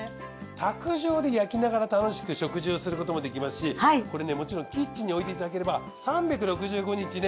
卓上で焼きながら楽しく食事をすることもできますしこれねもちろんキッチンに置いていただければ３６５日ね